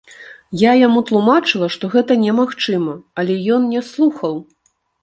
Я яму тлумачыла, што гэта немагчыма, але ён не слухаў.